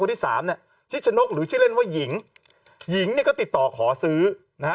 ที่สามเนี่ยชิดชนกหรือชื่อเล่นว่าหญิงหญิงเนี่ยก็ติดต่อขอซื้อนะฮะ